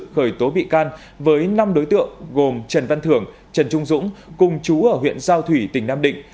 khởi tố bị can với năm đối tượng gồm trần văn thưởng trần trung dũng cùng chú ở huyện giao thủy tỉnh nam định